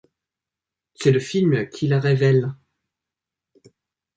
C'est le film qui la révèle.